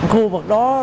khu vực đó